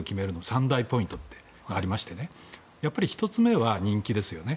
３大ポイントがありましてやっぱり１つ目は人気ですよね。